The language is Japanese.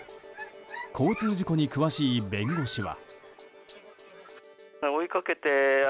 交通事故に詳しい弁護士は。